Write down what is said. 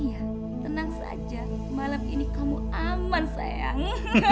iya tenang saja malam ini kamu aman sayang